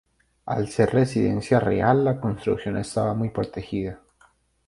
Al ser residencia real la construcción estaba muy protegida.